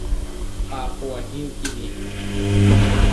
ปาปัวนิวกีนี